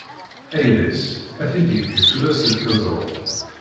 Ayla-s ad t-id-yekkes ula seg teẓrut.